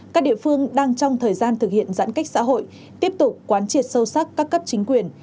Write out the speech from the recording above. các địa phương đang trong thời gian thực hiện giãn cách xã hội tiếp tục quán triệt sâu sắc các cấp chính quyền